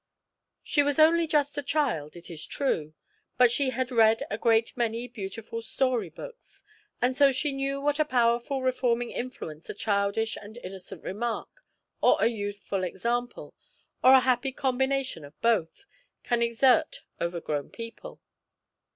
She was only just a child, it is true, but she had read a great many beautiful story books, and so she knew what a powerful reforming influence a childish and innocent remark, or a youthful example, or a happy combination of both, can exert over grown up people.